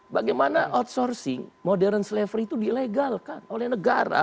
bagaimana outsourcing modern slavery itu dilegalkan oleh negara